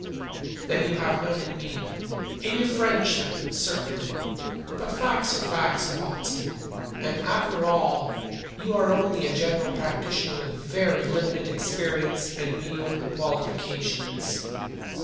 "Then you have none in me?" "In your friendship, certainly. But facts are facts, Watson, and, after all, you are only a general practitioner with very limited experience and mediocre qualifications.